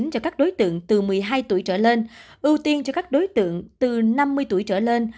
cho các đối tượng từ một mươi hai tuổi trở lên ưu tiên cho các đối tượng từ năm mươi tuổi trở lên